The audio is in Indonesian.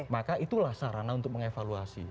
maka itulah sarana untuk mengevaluasi